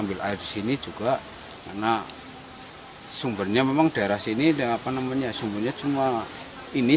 ambil air di sini juga karena sumbernya memang daerah sini dan apa namanya sumbernya cuma ini